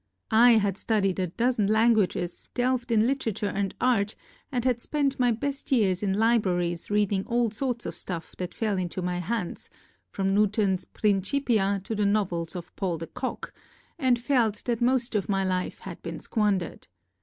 I had studied a dozen languages, delved in literature and art, and had spent my best years in libraries reading all sorts of stuff that fell into my hands, from Newton's "Principva" to the novels of Paul de Kock, and felt that most of my om page 17) life had been squandered.